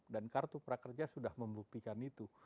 dan kartu prakerja sudah membuktikan itu